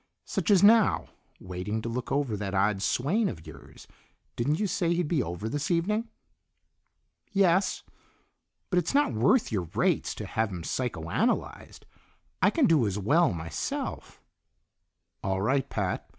Such as now, waiting to look over that odd swain of yours. Didn't you say he'd be over this evening?" "Yes, but it's not worth your rates to have him psychoanalyzed. I can do as well myself." "All right, Pat.